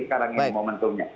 sekarang ini momentumnya